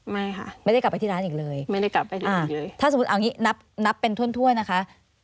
ไม่ค่ะไม่ได้กลับไปที่ร้านอีกเลยถ้าสมมุตินับเป็นท่วนนะคะ